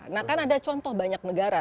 nah kan ada contoh banyak negara